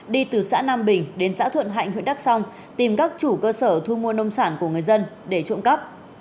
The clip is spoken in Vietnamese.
đi từ xã nam bình đến xã thuận hạnh huyện đắk song tìm các chủ cơ sở thu mua nông sản của người dân để trộm cắp